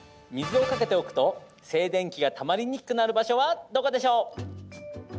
水をかけておくと静電気がたまりにくくなる場所はどこでしょう？